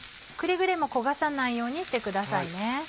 くれぐれも焦がさないようにしてください。